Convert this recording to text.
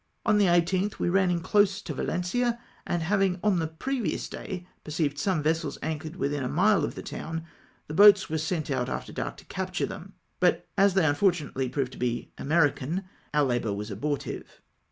On the 18th we ran in close to Valencia, and liavhig on the previous day perceived some vessels anchored within a mile of the town, the boats were sent off after dark to capture them, but as they unfor tunately proved to be American, our labour was abortive.